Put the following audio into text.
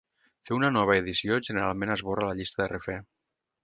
Fer una nova edició generalment esborra la llista de refer.